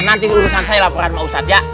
nanti urusan saya laporan sama ustadz ya